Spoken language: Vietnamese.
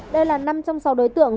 đây là năm trong sáu đối tượng